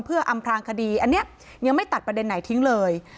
เพื่ออำพลางคดีอันนี้ยังไม่ตัดประเด็นไหนทิ้งเลย